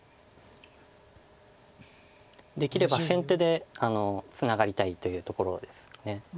できれば先手でツナがりたいというところです。